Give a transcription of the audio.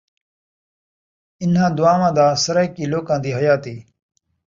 انہاں دعاواں دا سرائیکی لوکاں دی حیاتی